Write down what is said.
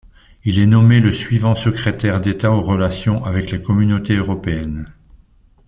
Il est nommé le suivant secrétaire d'État aux Relations avec les Communautés européennes.